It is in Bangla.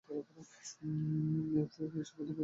এরফলে এ সংঘাতের পরিসমাপ্তি ঘটে।